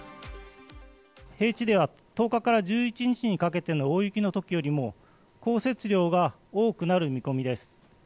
平地では１０日から１１日にかけての大雪のときよりも、降雪量が多くなる見込みです。